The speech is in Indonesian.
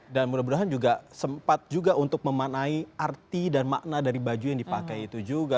dan mudah mudahan juga sempat juga untuk memanai arti dan makna dari baju yang dipakai itu juga